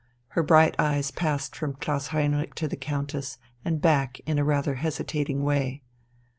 Her bright eyes passed from Klaus Heinrich to the Countess and back in a rather hesitating way.